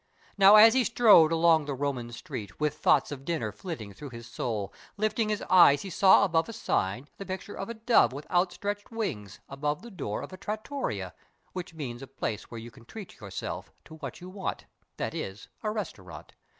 Now as he strode along the Roman street, With thoughts of dinner flitting through his soul, Lifting his eyes he saw upon a sign The picture of a dove with outspread wings Above the door of a trattoria, Which means a place where you can treat yourself To what you want—that is, a restaurant.